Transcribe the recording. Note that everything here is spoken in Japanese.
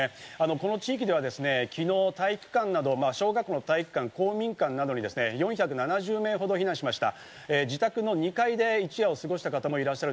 この地域では昨日、小学校の体育館、公民館などに４７０名ほど避難しました。